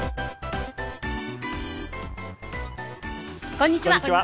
こんにちは。